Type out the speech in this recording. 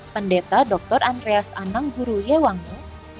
pendeta dr andreas anang guru yewangi